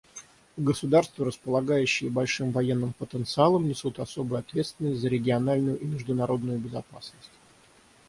Государства, располагающие большим военным потенциалом, несут особую ответственность за региональную и международную безопасность.